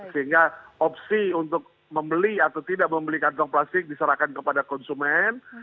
sehingga opsi untuk membeli atau tidak membeli kantong plastik diserahkan kepada konsumen